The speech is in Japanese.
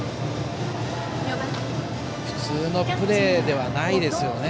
普通のプレーではないですよね。